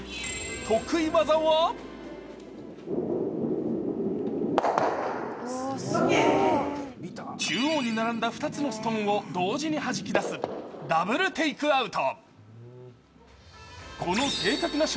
得意技は中央に並んだ２つのストーンを同時にはじき出すダブルテイクアウト。